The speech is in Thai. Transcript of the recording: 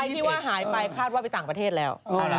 ที่ว่าหายไปคาดว่าไปต่างประเทศแล้ว